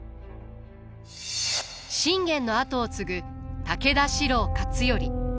信玄の後を継ぐ武田四郎勝頼。